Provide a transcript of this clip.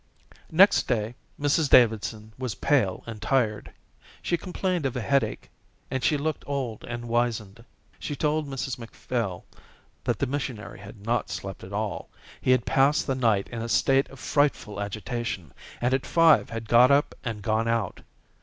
Next day Mrs Davidson was pale and tired. She complained of headache, and she looked old and wizened. She told Mrs Macphail that the missionary had not slept at all; he had passed the night in a state of frightful agitation and at five had got up and gone out.